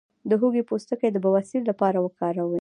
د هوږې پوستکی د بواسیر لپاره وکاروئ